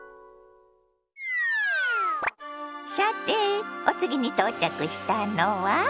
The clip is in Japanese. さてお次に到着したのは？